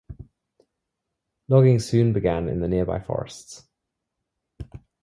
Logging soon began in the nearby forests.